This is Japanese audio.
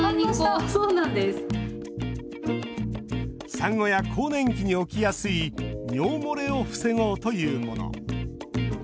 産後や更年期に起きやすい尿漏れを防ごうというもの。